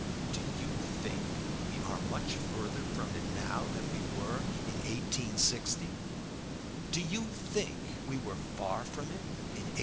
Do you think we are much further from it now than we were in 1860? Do you think we were far from it in 1876?